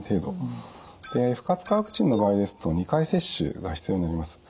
不活化ワクチンの場合ですと２回接種が必要になります。